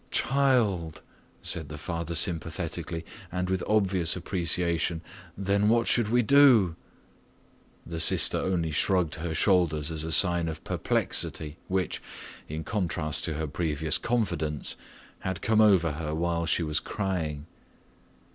"Child," said the father sympathetically and with obvious appreciation, "then what should we do?" The sister only shrugged her shoulders as a sign of the perplexity which, in contrast to her previous confidence, had come over her while she was crying.